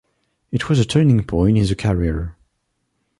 It was a turning point in their career.